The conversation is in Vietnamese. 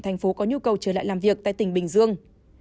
thành phố có nhu cầu trở lại làm việc tại tỉnh bình dương